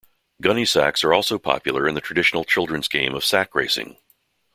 Gunny sacks are also popular in the traditional children's game of sack racing.